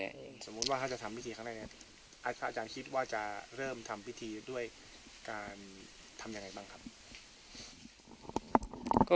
สมมุติว่าถ้าจะทำพิธีครั้งแรกเนี่ยอาจารย์คิดว่าจะเริ่มทำพิธีด้วยการทำยังไงบ้างครับ